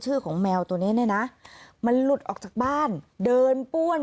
ของแมวตัวนี้เนี่ยนะมันหลุดออกจากบ้านเดินป้วน